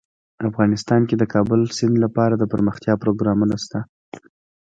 افغانستان کې د د کابل سیند لپاره دپرمختیا پروګرامونه شته.